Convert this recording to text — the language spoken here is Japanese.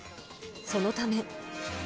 そのため。